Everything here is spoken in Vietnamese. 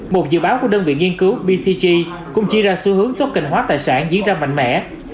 một dự báo của đơn vị nghiên cứu bcg cũng chia ra xu hướng token hóa tài sản diễn ra mạnh mẽ